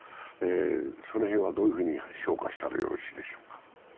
その辺はどういうふうに評価したらいいでしょうか。